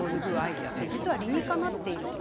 実は理にかなっています。